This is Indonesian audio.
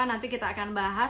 nanti kita akan bahas